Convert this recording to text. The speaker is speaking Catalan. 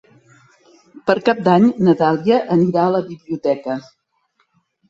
Per Cap d'Any na Dàlia anirà a la biblioteca.